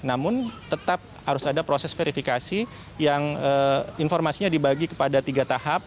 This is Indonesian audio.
namun tetap harus ada proses verifikasi yang informasinya dibagi kepada tiga tahap